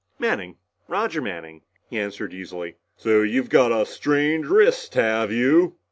"Manning. Roger Manning," he answered easily. "So you've got a strained wrist, have you?"